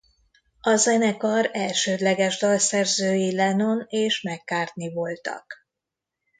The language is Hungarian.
A zenekar elsődleges dalszerzői Lennon és McCartney voltak.